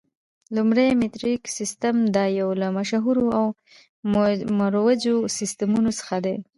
لومړی میټریک سیسټم، دا یو له مشهورو او مروجو سیسټمونو څخه دی.